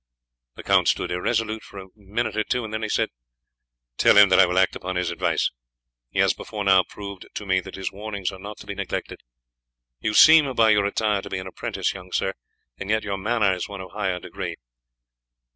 The count stood irresolute for a minute or two; then he said: "Tell him that I will act upon his advice. He has before now proved to me that his warnings are not to be neglected. You seem by your attire to be an apprentice, young sir, and yet your manner is one of higher degree."